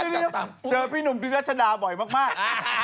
เดี๋ยวเจอพี่หนุ่มได้รัชดาบ่อยมาก